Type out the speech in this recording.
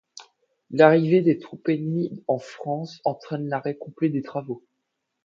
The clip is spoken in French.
L'arrivée des troupes ennemies en France entraîne l'arrêt complet des travaux.